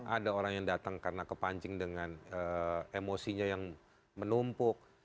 ada orang yang datang karena kepancing dengan emosinya yang menumpuk